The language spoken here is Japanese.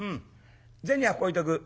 銭はここ置いとく。